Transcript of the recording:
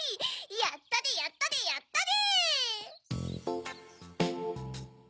やったでやったでやったで！